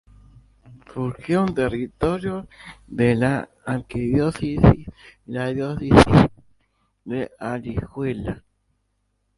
Surgió de territorio de la Arquidiócesis y la Diócesis de Alajuela.